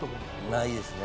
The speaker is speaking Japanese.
ないですね。